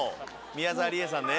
宮沢りえさんね。